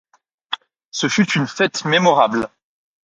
Ce fut une fête mémorable.